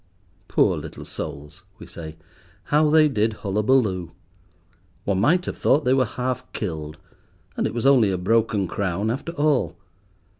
"Poor little souls," we say; "how they did hullabaloo. One might have thought they were half killed. And it was only a broken crown, after all.